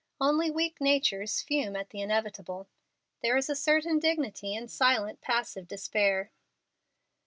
Only weak natures fume at the inevitable. There is a certain dignity in silent, passive despair.